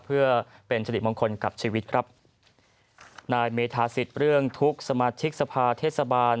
เพื่อเป็นสิริมงคลกับชีวิตครับนายเมธาสิทธิ์เรื่องทุกข์สมาชิกสภาเทศบาล